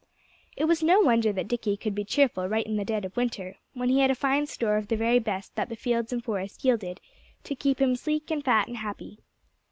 It was no wonder that Dickie could be cheerful right in the dead of winter, when he had a fine store of the very best that the fields and forest yielded, to keep him sleek and fat and happy.